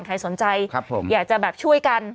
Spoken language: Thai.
ใครสนใจอยากจะแบบช่วยกัน